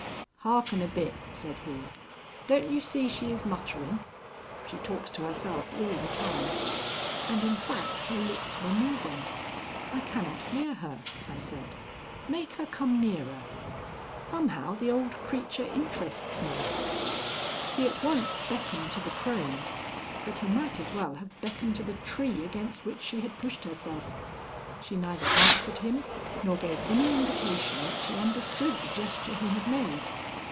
"Hearken a bit," said he. "Don't you see she is muttering? She talks to herself all the time." And in fact her lips were moving. "I cannot hear her," I said. "Make her come nearer. Somehow the old creature interests me." He at once beckoned to the crone; but he might as well have beckoned to the tree against which she had pushed herself. She neither answered him nor gave any indication that she understood the gesture he had made.